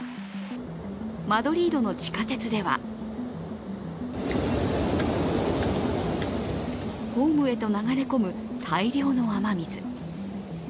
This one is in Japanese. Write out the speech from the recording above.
マドリードの地下鉄ではホームへと流れ込む大量の雨水。